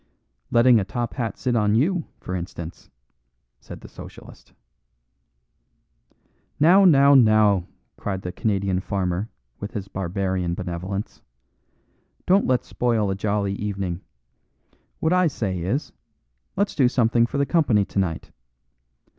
"Letting a top hat sit on you, for instance," said the Socialist. "Now, now, now," cried the Canadian farmer with his barbarian benevolence, "don't let's spoil a jolly evening. What I say is, let's do something for the company tonight.